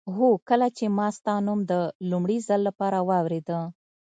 هو کله چې ما ستا نوم د لومړي ځل لپاره واورېده.